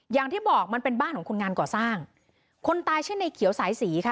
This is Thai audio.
อย่างที่บอกมันเป็นบ้านของคนงานก่อสร้างคนตายชื่อในเขียวสายสีค่ะ